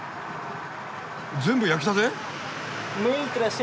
全部焼きたて？